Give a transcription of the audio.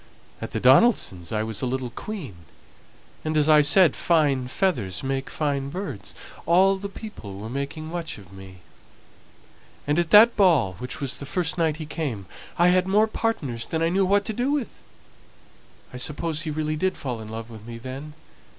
At the Donaldsons' I was a little queen; and as I said, fine feathers make fine birds, and all the people were making much of me; and at that Ball, which was the first night he came, I had more partners than I knew what to do with. I suppose he really did fall in love with me then.